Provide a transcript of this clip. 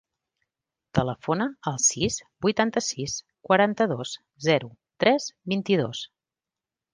Telefona al sis, vuitanta-sis, quaranta-dos, zero, tres, vint-i-dos.